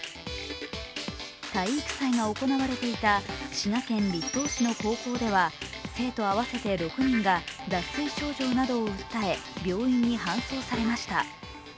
体育祭が行われていた滋賀県栗東市の高校では生徒合わせて６人が脱水症状などを訴え、病院に搬送されました。